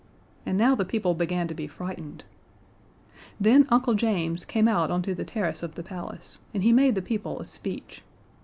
And now the people began to be frightened. Then Uncle James came out onto the terrace of the palace, and he made the people a speech.